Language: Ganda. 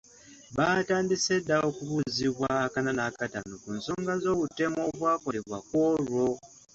Baatandise dda okubuuzibwa ak'ana n’ak'ataano ku nsonga z’obutemu obwakolebwa ku olwo.